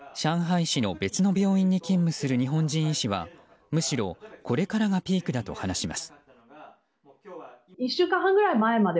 上海市の別の病院に勤務する日本人医師はむしろ、これからがピークだと話します。